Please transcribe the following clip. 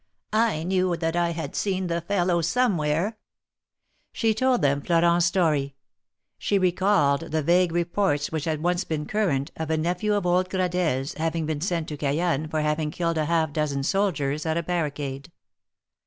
I knew that I had seen the fellow some where." She told them Floreiit^s story. She recalled the vague reports which had once been current, of a nephew of old Gradelle's, having been sent to Cayenne for having killed a half dozen soldiers at a barricade.